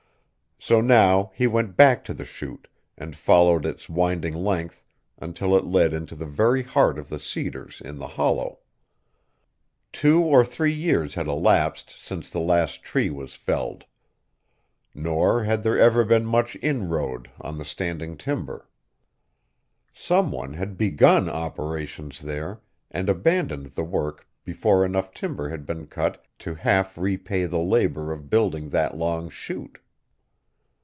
So now he went back to the chute and followed its winding length until it led into the very heart of the cedars in the hollow. Two or three years had elapsed since the last tree was felled. Nor had there ever been much inroad on the standing timber. Some one had begun operations there and abandoned the work before enough timber had been cut to half repay the labor of building that long chute.